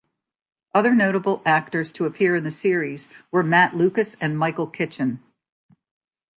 Other notable actors to appear in the series were Matt Lucas and Michael Kitchen.